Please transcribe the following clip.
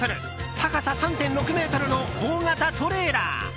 高さ３．６ｍの大型トレーラー。